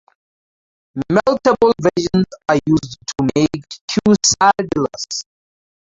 Meltable versions are used to make quesadillas.